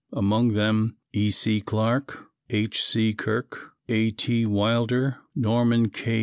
Among them E. C. Clarke, H. C. Kirk, A. T. Wilder, Norman K.